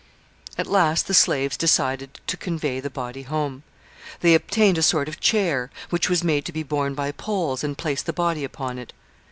] At last the slaves decided to convey the body home. They obtained a sort of chair, which was made to be borne by poles, and placed the body upon it.